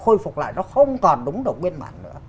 khôi phục lại nó không còn đúng độc nguyên mạng nữa